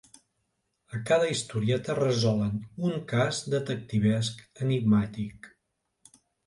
A cada historieta resolen un cas detectivesc enigmàtic.